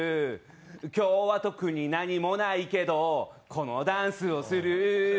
今日は特に何もないけどこのダンスをする。